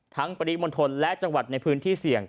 ปริมณฑลและจังหวัดในพื้นที่เสี่ยง